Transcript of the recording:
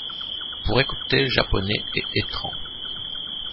Pour écouter Japonais et Etran.